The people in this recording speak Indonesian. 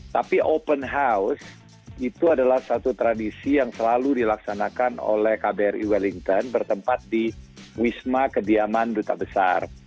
tapi open house itu adalah satu tradisi yang selalu dilaksanakan oleh kbri wellington bertempat di wisma kediaman duta besar